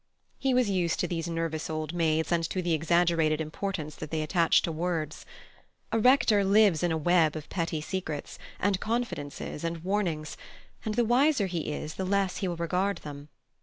He was used to these nervous old maids and to the exaggerated importance that they attach to words. A rector lives in a web of petty secrets, and confidences and warnings, and the wiser he is the less he will regard them.